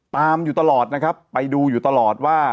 ตามอยู่ตลอดนะครับไปดูอยู่ตลอดว่า